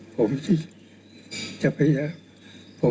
ผมที่จะพยายาม